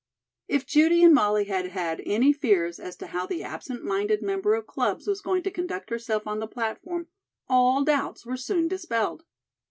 If Judy and Molly had had any fears as to how the absent minded member of clubs was going to conduct herself on the platform, all doubts were soon dispelled.